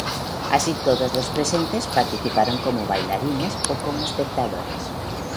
Así todos los presentes participaron como bailarines o como espectadores.